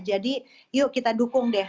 jadi yuk kita dukung deh